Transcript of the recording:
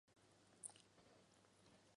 有女沘阳公主。